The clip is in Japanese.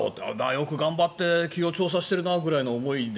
よく頑張って企業調査しているなくらいの思いで。